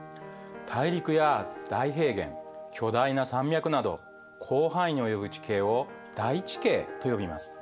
大陸や大平原巨大な山脈など広範囲に及ぶ地形を大地形と呼びます。